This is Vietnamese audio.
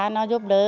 nó giúp đỡ